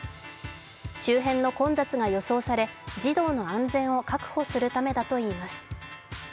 周辺の混雑が予想され、児童の安全を確保するためだといいます。